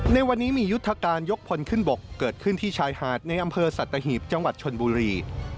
ในวันนี้มียุทธการยกพลขึ้นบกเกิดขึ้นที่ชายหาดในอำเภอสัตหีบจังหวัดชนบุรี